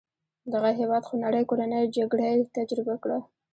دغه هېواد خونړۍ کورنۍ جګړه تجربه کړه.